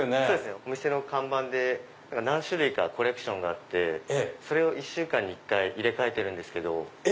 お店の看板で何種類かコレクションがあってそれを１週間に１回入れ替えてるんですけど。